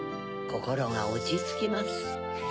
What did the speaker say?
こころがおちつきます。